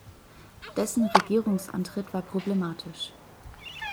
Dessen Regierungsantritt war problematisch.